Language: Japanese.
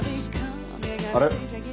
あれ？